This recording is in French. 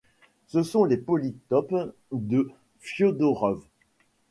Ce sont les polytopes de Fiodorov.